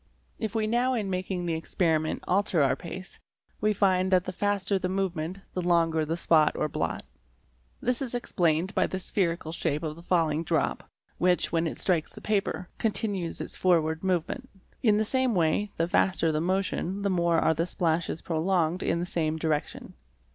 If we now in waking the experiment alter our pace, we find that the faster the move ment the longer the spot or blot. This is explained by the spherical shape of the falling drop which, when it strikes the paper, continues its forward movement. In the same way, the faster the motion the more. are the splashes prolonged in the same direction.